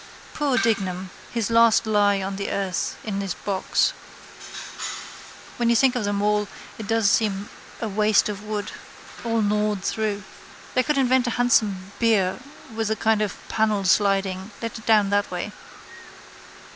Poor Dignam! His last lie on the earth in his box. When you think of them all it does seem a waste of wood. All gnawed through. They could invent a handsome bier with a kind of panel sliding, let it down that way.